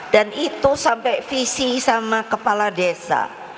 dan itu sampai visi sama kepala desa